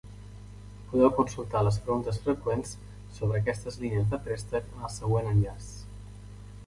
Podeu consultar les preguntes freqüents sobre aquestes línies de préstec en el següent enllaç.